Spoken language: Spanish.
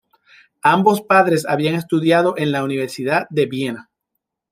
Ambos padres habían estudiado en la Universidad de Viena.